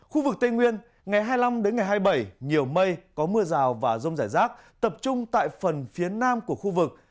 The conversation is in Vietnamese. khu vực tây nguyên ngày hai mươi năm đến ngày hai mươi bảy nhiều mây có mưa rào và rông rải rác tập trung tại phần phía nam của khu vực